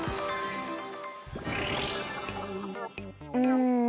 うん。